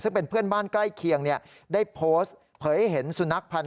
ซึ่งเป็นเพื่อนบ้านใกล้เคียงได้โพสต์เผยให้เห็นสุนัขพันธ